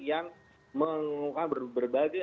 yang mengungkap berbagai